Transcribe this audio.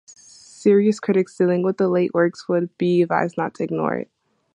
Serious critics dealing with the late works would be advised not to ignore it.